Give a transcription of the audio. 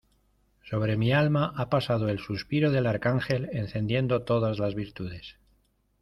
sobre mi alma ha pasado el suspiro del Arcángel encendiendo todas las virtudes.